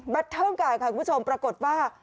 เทิลการ์ค่ะคุณผู้ชมปรากฏว่า